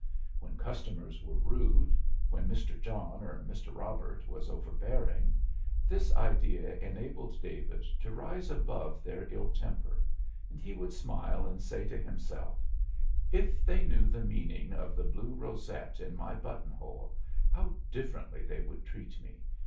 When customers were rude, when Mr. John or Mr. Robert was overbearing, this idea enabled David to rise above their ill temper, and he would smile and say to himself: "If they knew the meaning of the blue rosette in my button hole, how differently they would treat me!